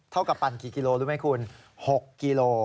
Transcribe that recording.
เท่ากับปั่นกี่กิโลรู้ไหมคุณ๖กิโล